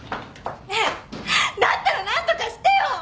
ねえだったら何とかしてよ！